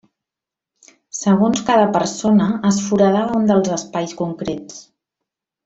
Segons cada persona es foradava un dels espais concrets.